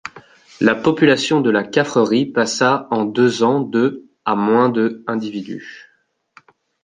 La population de la Caffrerie passa en deux ans de à moins de individus.